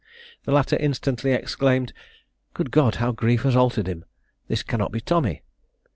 The latter instantly exclaimed, "Good God! how grief has altered him! this cannot be Tommy!"